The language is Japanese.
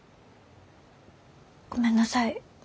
ごめんなさい。